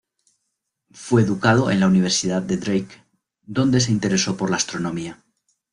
Fue educado en la Universidad de Drake, donde se interesó por la astronomía.